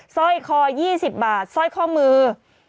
ซ่อยคอ๒๐บาทซ่อยข้อมือ